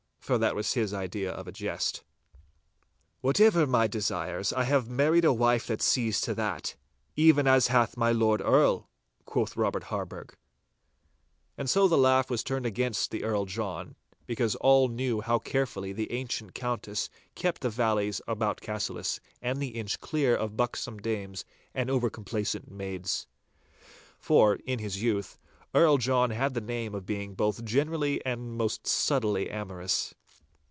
For that was his idea of a jest. 'Whatever my desires, I have married a wife that sees to that—even as hath also my Lord Earl!' quoth Robert Harburgh. And so the laugh was turned against the Earl John, because all knew how carefully the ancient Countess kept the valleys about Cassillis and the Inch clear of buxom dames and over complacent maids. For, in his youth, Earl John had the name of being both generally and most subtly amorous.